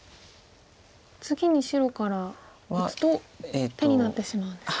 次に白から打つと手になってしまうんですか。